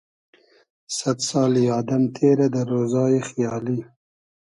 سئد سالی ادئم تېرۂ دۂ رۉزای خیالی